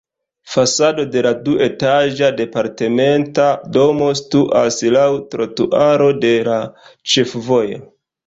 Fasado de la duetaĝa departementa domo situas laŭ trotuaro de la ĉefvojo.